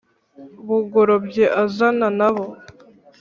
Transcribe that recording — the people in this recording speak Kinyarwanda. Bugorobye azana n abo